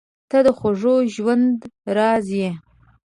• ته د خوږ ژوند راز یې.